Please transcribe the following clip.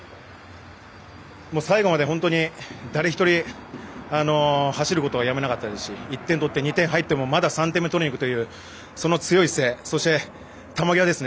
最後まで本当に誰一人走ることをやめなかったですし１点取って２点入ってもまだ３点取りに行くというその強い姿勢そして、球際ですね。